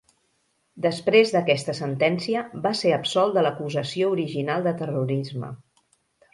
Després d'aquesta sentència, va ser absolt de l'acusació original de terrorisme.